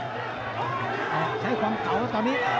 ใช้ความเก่าแล้วตอนนี้